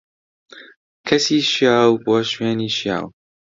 کەسی شیاو، بۆ شوێنی شیاو.